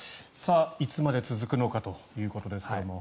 いつまで続くのかということですけども。